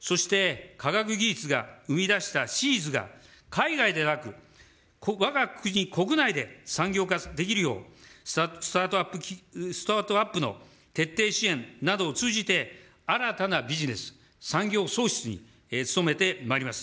そして科学技術が生み出したシーズが海外でなく、わが国国内で産業化できるようスタートアップの徹底支援などを通じて新たなビジネス、産業創出に努めてまいります。